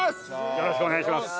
よろしくお願いします。